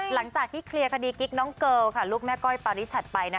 หลังจากที่เคลียร์คดีกิ๊กน้องเกิลลูกแม่ก้อยปาริชัดไป